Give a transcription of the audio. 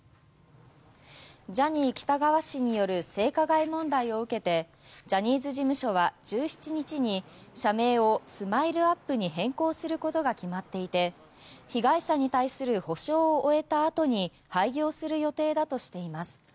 ジャニー喜多川氏による性加害問題を受けてジャニーズ事務所は１７日に社名をＳＭＩＬＥ−ＵＰ．に変更することが決まっていて被害者に対する補償を終えた後に廃業する予定だとしています。